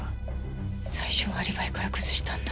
最初はアリバイから崩したんだ。